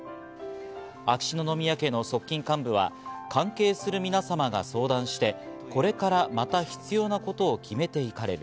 秋篠宮家の側近幹部は、関係する皆様が相談して、これからまた必要なことを決めて行かれる。